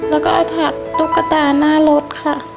แล้วก็เอาถักตุ๊กตาหน้ารถค่ะ